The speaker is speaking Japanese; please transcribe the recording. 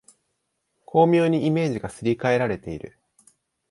巧妙にイメージがすり替えられている